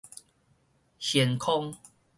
懸空